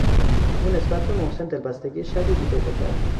او نسبت به محسن دلبستگی شدیدی پیدا کرد.